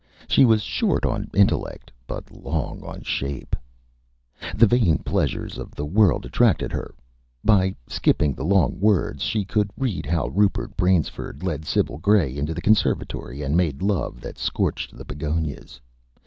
She was short on Intellect but long on Shape. The Vain Pleasures of the World attracted her. By skipping the Long Words she could read how Rupert Bansiford led Sibyl Gray into the Conservatory and made Love that scorched the Begonias.